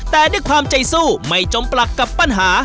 แต่ด้วยความใจสู้ไม่จมปลักกับปัญหา